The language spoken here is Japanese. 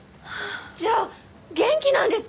じゃあ元気なんですか？